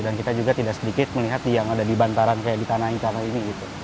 dan kita juga tidak sedikit melihat yang ada di bantaran kayak di tanah ini tanah ini gitu